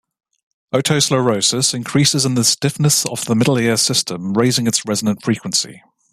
Otosclerosis increases in the stiffness of the middle-ear system, raising its resonant frequency.